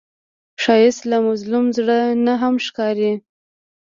ښایست له مظلوم زړه نه هم ښکاري